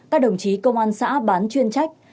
các đồng chí công an xã bán chuyên trách